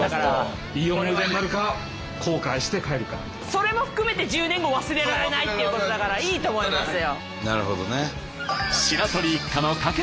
それも含めて１０年後忘れられないっていうことだからいいと思いますよ。